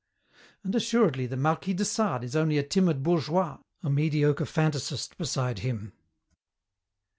"And assuredly, the Marquis de Sade is only a timid bourgeois, a mediocre fantasist, beside him!"